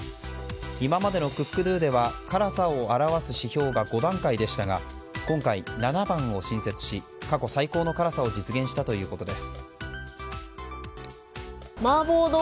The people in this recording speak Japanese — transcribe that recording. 今までのＣｏｃｋＤｏでは辛さを表す指標が５段階でしたが今回７番を新設し過去最高の辛さを実現したということです。